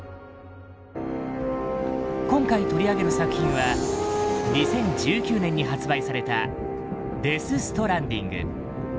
今回取り上げる作品は２０１９年に発売された「デス・ストランディング」。